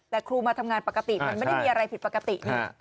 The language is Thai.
แต่ครูมาทำงานปกติมันไม่ได้มีอะไรผิดปกติ